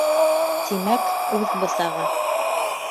Тимәк, үҙ бысағы.